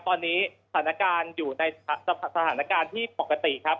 ตอนนี้สถานการณ์อยู่ในสถานการณ์ที่ปกติครับ